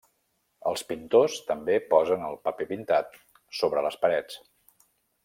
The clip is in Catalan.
Els pintors també posen el paper pintat sobre les parets.